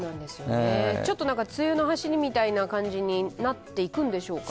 ちょっと梅雨の走りみたいな感じになっていくんでしょうか。